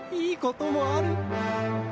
いいこともある